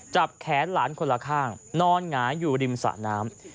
จับแขนหลานคนละข้างนอนหงายอยู่ริมสระน้ำ